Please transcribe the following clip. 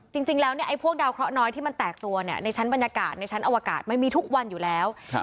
จริงแล้วเนี่ยไอ้พวกดาวเคราะห์น้อยที่มันแตกตัวเนี่ยในชั้นบรรยากาศในชั้นอวกาศมันมีทุกวันอยู่แล้ว